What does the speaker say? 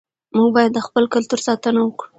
موږ باید د خپل کلتور ساتنه وکړو.